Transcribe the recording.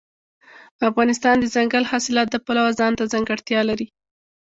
افغانستان د دځنګل حاصلات د پلوه ځانته ځانګړتیا لري.